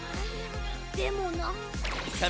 でもなぁ。